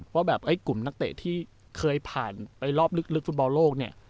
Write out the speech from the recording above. ว่าแบบกลุ่มนักเตะที่เคยผ่านไปรอบลึกฟุตบอลโลกเนี่ย